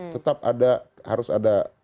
tetap ada harus ada